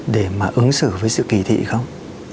để mà ứng xử với sự kỳ thị không